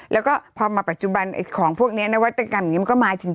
แล้วก็พอมาปัจจุบันของพวกนี้นวัตกรรมก็มาจริง